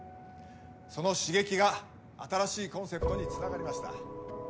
その刺激が新しいコンセプトにつながりました。